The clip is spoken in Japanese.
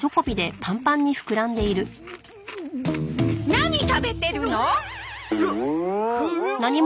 何食べてるの？